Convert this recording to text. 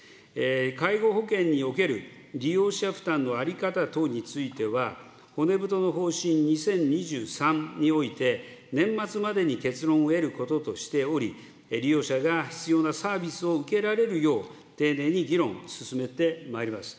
介護保険における利用者負担の在り方等については、骨太の方針２０２３において、年末までに結論を得ることとしており、利用者が必要なサービスを受けられるよう、丁寧に議論を進めてまいります。